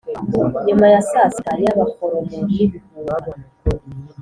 nyuma ya saa sita y'abaforomo n'ibihuha;